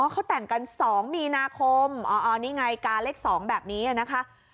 อ๋อเขาแต่งกันสองมีนาคมอ๋อนี่ไงกาเล็กสองแบบนี้อ่ะนะคะ